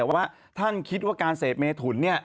ว่าท่านคิดว่าการเศษเมถุน